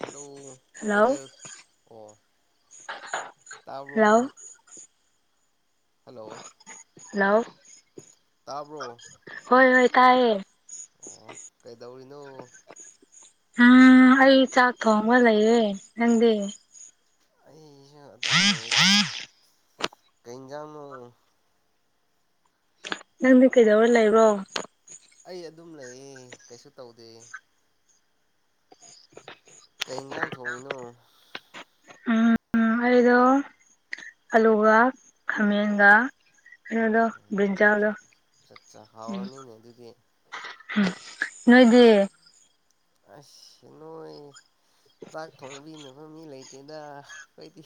hello hello ꯕꯗꯔ ꯑꯣ ꯇꯕ꯭ꯔꯣ hello hello hello ꯇꯕ꯭ꯔꯣ ꯍꯣꯏ ꯍꯣꯏ ꯇꯥꯏꯌꯦ ꯀꯩꯗꯧꯔꯤꯅꯣ ꯎꯝ ꯑꯩ ꯆꯥꯛ ꯊꯣꯡꯕ ꯂꯩꯌꯦ ꯅꯪꯗꯤ ꯑꯩꯁꯨ ꯑꯗꯨꯝ ꯂꯩꯌꯦꯗ ꯀꯩ ꯏꯟꯖꯥꯡꯅꯣ ꯅꯪꯗꯤ ꯀꯩꯗꯧꯔ ꯂꯩꯕ꯭ꯔꯣ ꯑꯩ ꯑꯗꯨꯝ ꯂꯩꯌꯦ ꯀꯩꯁꯨ ꯇꯧꯗꯦ ꯀꯩ ꯏꯟꯖꯥꯡ ꯊꯣꯡꯉꯤꯅꯣ ꯎꯝ ꯑꯩꯗꯣ ꯑꯂꯨꯒ ꯈꯥꯃꯦꯟꯒ ꯀꯩꯅꯣꯗꯣ ꯕ꯭ꯔꯤꯟꯖꯥꯜꯗꯣ ꯆꯠ ꯆꯥ ꯎꯝ ꯍꯥꯎꯔꯅꯤꯅꯦ ꯑꯗꯨꯗꯤ ꯅꯣꯏꯗꯤ ꯑꯁ ꯅꯣꯏ ꯆꯥꯛ ꯊꯣꯡꯕꯤꯅꯕ ꯃꯤ ꯂꯩꯇꯦꯗ ꯑꯩꯈꯣꯏꯗꯤ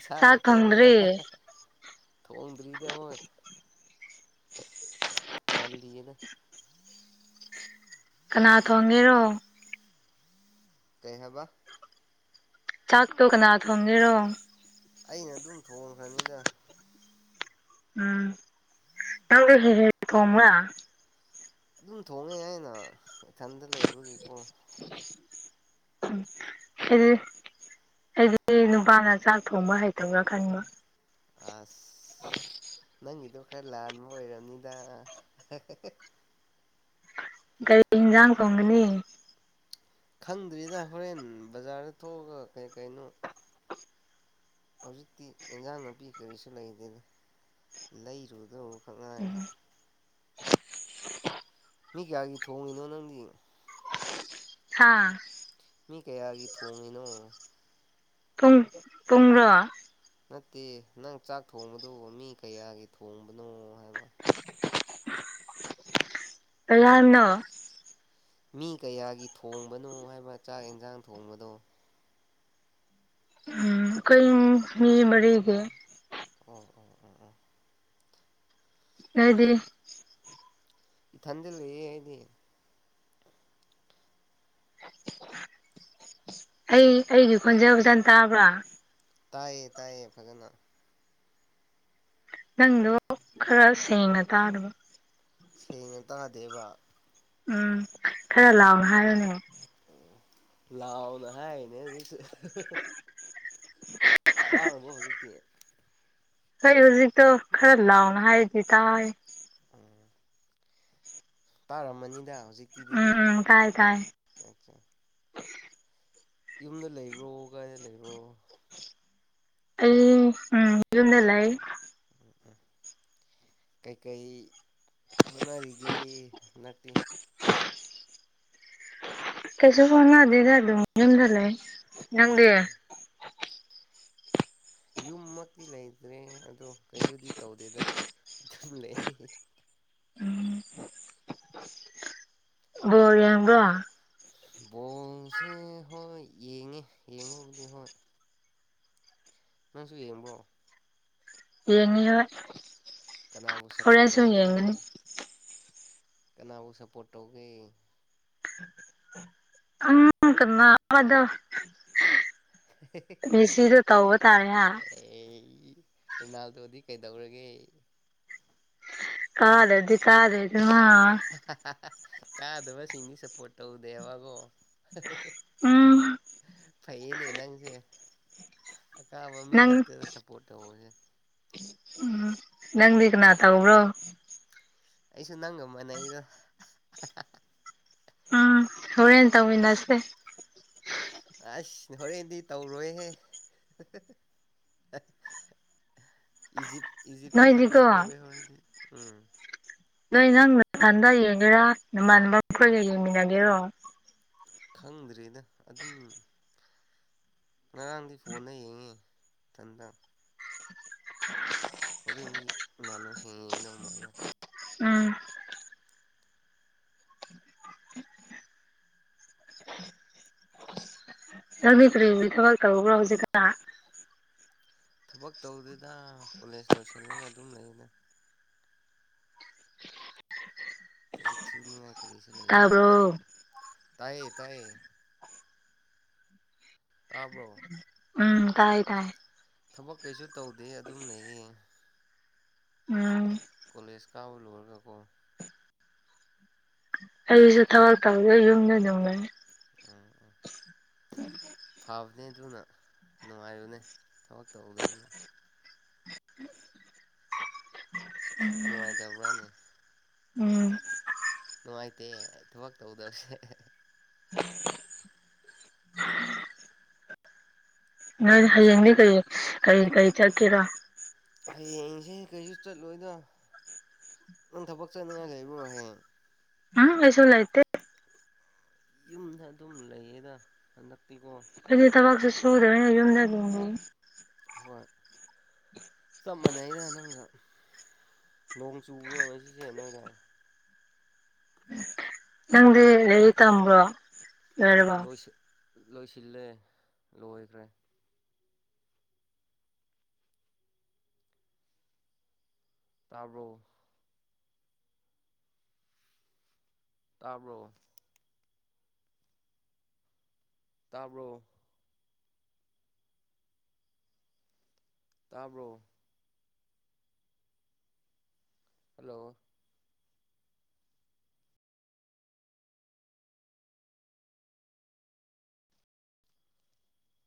ꯏꯁꯥꯅ ꯆꯥꯛ ꯊꯣꯡꯉꯦꯗ ꯊꯣꯡꯗ꯭ꯔꯤ ꯊꯣꯡꯗ꯭ꯔꯤꯗ ꯍꯣꯏ ꯉꯜꯂꯤꯗ ꯀꯅꯥ ꯊꯣꯡꯒꯦꯔꯣ ꯀꯩ ꯍꯥꯏꯕ ꯆꯥꯛꯇꯣ ꯀꯅꯥ ꯊꯣꯡꯒꯦꯔꯣ ꯑꯩꯅ ꯑꯗꯨꯝ ꯊꯣꯡꯈ꯭ꯔꯅꯤꯗ ꯎꯝ ꯅꯪꯗꯨ ꯍꯦ ꯍꯦꯛ ꯊꯣꯡꯕ꯭ꯔꯥ ꯑꯗꯨꯝ ꯊꯣꯡꯉꯦ ꯑꯩꯅ ꯏꯊꯟꯗ ꯂꯩꯕꯒꯤꯀꯣ [unintelligible] ꯑꯩꯗꯤ ꯅꯨꯄꯥꯅ ꯆꯥꯛ ꯊꯣꯡꯕ ꯍꯩꯇꯕ꯭ꯔꯥ ꯈꯟꯕ ꯑꯁ [inaudible] ꯅꯪꯒꯤꯗꯣ ꯈꯔ ꯂꯥꯟꯕ ꯑꯣꯏꯔꯝꯅꯤꯗ ꯀꯔꯤ ꯍꯤꯟꯖꯥꯡ ꯊꯣꯡꯒꯅꯤ ꯈꯪꯗ꯭ꯔꯤꯗ ꯍꯣꯔꯦꯟ ꯕꯖ꯭ꯥꯔꯗ ꯊꯣꯛꯑꯒ ꯀꯩ ꯀꯩꯅꯣ ꯍꯧꯖꯤꯛꯇꯤ ꯏꯟꯖꯥꯡ ꯅꯥꯄꯤ ꯀꯔꯤꯁꯨ ꯂꯩꯇꯦꯗ ꯂꯩꯔꯨꯗꯧ ꯈꯛ ꯉꯥꯏꯔꯦ ꯎꯝ ꯃꯤ ꯀꯌꯥꯒꯤ ꯊꯣꯡꯉꯤꯅꯣ ꯅꯪꯗꯤ ꯍꯥꯥ ꯃꯤ ꯀꯌꯥꯒꯤ ꯊꯣꯡꯉꯤꯅꯣ ꯄꯨꯡ ꯄꯨꯡꯔꯣ ꯅꯠꯇꯦ ꯅꯪ ꯆꯥꯛ ꯊꯣꯡꯕꯗꯨꯕꯨ ꯃꯤ ꯀꯌꯥꯒꯤ ꯊꯣꯡꯕꯅꯣ ꯍꯥꯏꯕ ꯀꯩꯍꯥꯏꯝꯅꯣ ꯃꯤ ꯀꯌꯥꯒꯤ ꯊꯣꯡꯕꯅꯣ ꯍꯥꯏꯕ ꯆꯥꯛ ꯏꯟꯖꯥꯡ ꯊꯣꯡꯕꯗꯣ ꯀꯨꯏꯟ ꯃꯤ ꯃꯔꯤꯒꯤ ꯑꯣ ꯑꯣ ꯑꯣ ꯑꯣ ꯑꯩꯗꯤ ꯏꯊꯟꯗ ꯂꯩꯌꯦ ꯑꯩꯗꯤ ꯑꯩ ꯑꯩꯒꯤ ꯈꯣꯟꯖꯦꯜ ꯐꯖꯟ ꯇꯥꯕ꯭ꯔꯥ ꯇꯥꯏꯌꯦ ꯇꯥꯏꯌꯦ ꯐꯖꯅ ꯅꯪꯗꯣ ꯈꯔ ꯁꯦꯡꯅ ꯇꯥꯗꯕ ꯁꯦꯡꯅ ꯇꯥꯗꯦꯕ ꯎꯝ ꯈꯔ ꯂꯥꯎꯅ ꯍꯥꯏꯌꯨꯅꯦ ꯂꯥꯎꯅ ꯍꯥꯏꯔꯤꯅꯦ ꯍꯧꯖꯤꯛꯁꯨ [inaudible] ꯇꯥꯔꯕꯣ ꯍꯧꯖꯤꯛꯇꯤ ꯍꯣꯏ ꯍꯧꯖꯤꯛꯇꯨ ꯈꯔ ꯂꯥꯎꯅ ꯍꯥꯏꯔꯗꯤ ꯇꯥꯏ ꯎꯝ ꯇꯥꯔꯝꯃꯅꯤꯗ ꯍꯧꯖꯤꯛꯇꯤ ꯎꯝ ꯗꯨꯗꯤ ꯎꯝ ꯇꯥꯏ ꯇꯥꯏ ꯌꯨꯝꯗ ꯂꯩꯕ꯭ꯔꯣ ꯀꯥꯏꯗ ꯂꯩꯕ꯭ꯔꯣ ꯑꯩ ꯎꯝ ꯌꯨꯝꯗ ꯂꯩ ꯀꯩꯀꯩ ꯍꯣꯠꯅꯔꯤꯒꯦ ꯍꯟꯗꯛꯇꯤ ꯀꯩꯁꯨꯝ ꯍꯣꯠꯅꯗꯦꯗ ꯗꯨꯝ ꯌꯨꯝꯗ ꯂꯩ ꯅꯪꯗꯤ ꯎꯝ ꯌꯨꯝꯃꯛꯇꯤ ꯂꯩꯇ꯭ꯔꯦ ꯑꯗꯣ ꯀꯩꯁꯨꯗꯤ ꯇꯧꯗꯦꯗ ꯗꯨꯝ ꯂꯩ ꯕꯣꯜ ꯌꯦꯡꯕ꯭ꯔꯣ ꯕꯣꯜꯁꯦ ꯍꯣꯏ ꯌꯦꯡꯉꯦ ꯌꯦꯡꯕꯕꯨꯗꯤ ꯍꯣꯏ ꯅꯪꯁꯨꯨ ꯌꯦꯡꯕ꯭ꯔꯣ ꯌꯦꯡꯉꯦꯔꯣꯢ ꯀꯅꯥꯕꯨ ꯁꯞꯄꯔꯣꯠ ꯇꯧꯒꯦ ꯗꯨꯗꯤ ꯀꯅꯥꯕꯨ ꯁꯞꯄꯣꯔꯠ ꯇꯧꯒꯦ ꯎꯝ [unintelligible] ꯃꯦꯁꯤꯗꯣ ꯇꯧꯕ ꯇꯥꯔꯦ ꯍꯥ ꯑꯦ ꯔꯣꯅꯜꯗꯣꯗꯤ ꯀꯩꯗꯧꯔꯒꯦ ꯀꯥꯗ꯭ꯔꯗꯤ ꯀꯥꯗꯔꯦꯗꯅ ꯀꯥꯗꯕ ꯁꯤꯡꯗꯤ ꯁꯄꯣꯔꯠ ꯇꯧꯗꯦꯕꯒꯣ ꯎꯝ ꯐꯩꯌꯦꯅꯦ ꯅꯪꯁꯦ ꯀꯥꯕ ꯃꯤ ꯅꯪ ꯈꯛꯇꯗ ꯁꯞꯄꯣꯔꯠ ꯇꯧꯕꯁꯦ ꯎꯝ ꯅꯪꯗꯤ ꯀꯟꯅꯥ ꯊꯧꯕꯔꯣ ꯑꯩꯁꯨ ꯅꯪꯒ ꯃꯥꯟꯅꯩꯗ ꯑꯥ ꯍꯣꯔꯦꯟ ꯇꯧꯃꯤꯟꯅꯁꯦ ꯑꯁ ꯍꯣꯔꯦꯟꯗꯤ ꯇꯧꯔꯣꯏꯍꯦ ꯏꯖꯤꯞ ꯏꯖꯤꯞꯇ ꯅꯣꯏꯗꯤꯀꯣ ꯁꯄꯣꯔꯠ ꯇꯧꯋꯦ ꯍꯣꯔꯦꯟꯗꯤ ꯎꯝ ꯅꯣꯢ ꯅꯪ ꯃꯊꯟꯇ ꯌꯦꯡꯒꯦꯔꯥ ꯅꯃꯥꯟꯅꯕ ꯈꯣꯏꯒ ꯌꯦꯡꯃꯤꯟꯅꯒꯦꯔꯣ ꯈꯪꯗ꯭ꯔꯤꯗ ꯑꯗꯨꯝ ꯉꯔꯥꯡꯗꯤ ꯐꯣꯟꯗ ꯌꯦꯡꯉꯦ ꯏꯊꯟꯗ [inaudible] ꯍꯣꯔꯦꯟꯗꯤ ꯏꯃꯥꯟꯅꯕ ꯁꯤꯡ ꯌꯦꯡꯗꯧ ꯃꯥꯜꯂꯦ ꯎꯝ ꯅꯪꯗꯤ ꯀꯔꯤ [unintelligible] ꯊꯕꯛ ꯇꯧꯕ꯭ꯔꯣ ꯍꯧꯖꯤꯛꯈꯇꯥ ꯊꯕꯛ ꯇꯧꯗꯦꯗ ꯀꯣꯂꯦꯖ ꯂꯣꯏꯁꯜꯂꯒ ꯑꯗꯨꯝ ꯂꯩꯅ ꯊꯕꯛ ꯁꯨꯅꯤꯡ ꯉꯥꯢ ꯀꯔꯤꯁꯨ ꯂꯩꯇꯦꯗ ꯇꯥꯕ꯭ꯔꯣ ꯇꯥꯢꯌꯦ ꯇꯥꯢꯌꯦ ꯇꯥꯕꯔꯣ ꯎꯝ ꯇꯥꯏ ꯇꯥꯏ ꯊꯕꯛ ꯀꯩꯁꯨ ꯇꯧꯗꯦ ꯑꯗꯨꯝ ꯂꯩꯌꯦ ꯎꯝ ꯀꯣꯂꯦꯖ ꯀꯥꯕ ꯂꯣꯏꯔꯒꯀꯣ ꯑꯩꯁꯨ ꯊꯕꯛ ꯇꯧꯗꯦ ꯌꯨꯝꯗ ꯑꯗꯨꯝ ꯂꯩ ꯎꯝ ꯊꯥꯕꯅꯦ ꯗꯨꯅ ꯅꯨꯡꯉꯥꯏꯕꯅꯦ ꯊꯕꯛ ꯇꯧꯗ꯭ꯕꯅ ꯅꯨꯡꯉꯥꯏꯇꯕ꯭ꯔꯥꯅꯦ ꯎꯝ ꯅꯨꯡꯉꯥꯏꯇꯦ ꯊꯕꯛ ꯇꯧꯗꯕꯁꯦ ꯅꯣꯏ ꯍꯌꯦꯡꯗꯤ ꯀꯩ ꯀꯩ ꯀꯩ ꯆꯠꯀꯦꯔ ꯍꯌꯦꯡꯁꯦ ꯀꯩꯁꯨ ꯆꯠꯂꯣꯏꯗ ꯅꯪ ꯊꯕꯛ ꯆꯠꯅꯤꯡꯉꯥꯏ ꯂꯩꯕ꯭ꯔꯣ ꯍꯌꯦꯡ ꯎꯝ ꯑꯩꯁꯨ ꯂꯩꯇꯦ ꯌꯨꯝꯗ ꯑꯗꯨꯝ ꯂꯩꯌꯦꯗ ꯍꯟꯗꯛ ꯑꯖꯨ ꯊꯕꯛꯁꯨ ꯁꯨꯗꯕꯅꯤꯅ ꯌꯨꯝꯗ ꯑꯗꯨꯝ ꯂꯩ ꯍꯣꯏ ꯆꯞ ꯃꯥꯟꯅꯩꯗ ꯅꯪꯒ ꯅꯣꯡ ꯆꯨꯕ꯭ꯔꯣ ꯉꯁꯤꯁꯦ ꯅꯣꯏꯗ ꯅꯪꯗꯤ ꯂꯥꯏꯔꯤꯛ ꯇꯝꯕ꯭ꯔꯣ ꯂꯣꯏꯔꯕꯣ ꯂꯣꯏꯁꯤ ꯂꯣꯏꯁꯤꯜꯂꯦ ꯂꯣꯏꯈ꯭ꯔꯦ ꯇꯥꯕ꯭ꯔꯣ ꯇꯥꯕ꯭ꯔꯣ ꯇꯥꯕ꯭ꯔꯣ ꯇꯥꯕ꯭ꯔꯣ ꯍꯜꯂꯣ